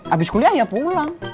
abis kuliah ya pulang